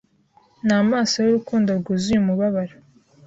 namaso yurukundo rwuzuye umubabaro